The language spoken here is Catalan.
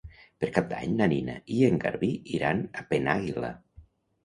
Per Cap d'Any na Nina i en Garbí iran a Penàguila.